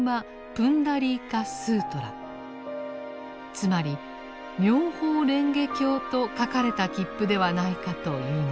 つまり「妙法蓮華経」と書かれた切符ではないかというのです。